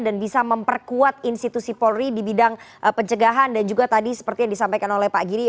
dan bisa memperkuat institusi polri di bidang pencegahan dan juga tadi seperti yang disampaikan oleh pak giri